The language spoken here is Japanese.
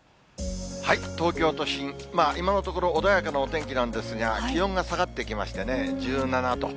東京都心、今のところ、穏やかなお天気なんですが、気温が下がってきましてね、１７度。